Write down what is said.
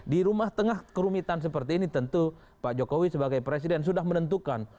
di rumah tengah kerumitan seperti ini tentu pak jokowi sebagai presiden sudah menentukan